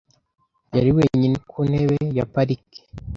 yari wenyine ku ntebe ya parike.